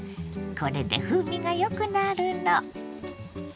これで風味がよくなるの。